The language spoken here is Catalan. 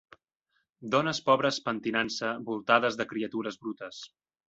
Dones pobres pentinant-se voltades de criatures brutes.